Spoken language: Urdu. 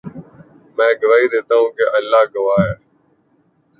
میں گواہی دیتا ہوں کہ اللہ گواہ ہے